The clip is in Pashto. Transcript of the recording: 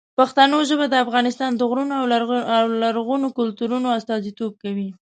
پښتو ژبه د افغانستان د غرونو او لرغونو کلتورونو استازیتوب کوي.